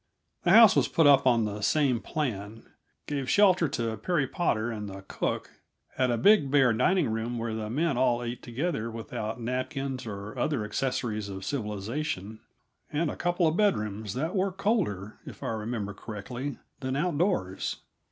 The house was put up on the same plan, gave shelter to Perry Potter and the cook, had a big, bare dining room where the men all ate together without napkins or other accessories of civilization, and a couple of bedrooms that were colder, if I remember correctly, than outdoors.